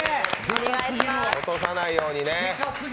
落とさないようにね。